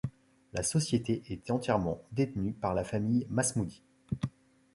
La société est entièrement détenue par la famille Masmoudi.